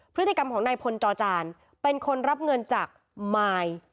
พฤติกรรมของนายพลจอจานเป็นคนรับเงินจากมาย